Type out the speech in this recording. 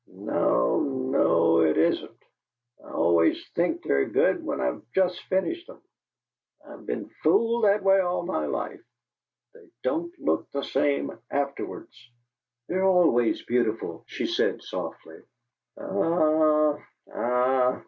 "No, no, it isn't! I always think they're good when I've just finished them. I've been fooled that way all my life. They don't look the same afterwards." "They're always beautiful," she said, softly. "Ah, ah!"